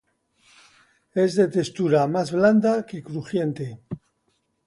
Es de textura más blanda que crujiente.